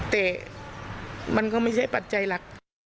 แต่มันก็ไม่ใช่ปัจจัยหลัก